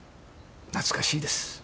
懐かしいです。